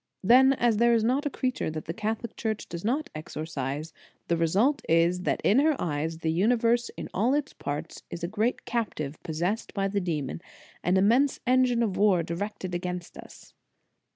Then as there is not a creature that the Catholic Church does not exorcise, the result is, that in her eyes the universe in all its parts is a great captive, possessed by the demon, an immense engine of war directed against us.